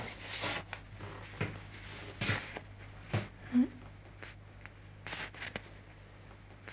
うん？